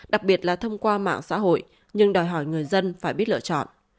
đặc biệt là thông qua mạng xã hội nhưng đòi hỏi người dân phải biết lựa chọn